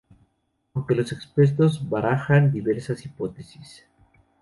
Aunque los expertos barajan diversas hipótesis.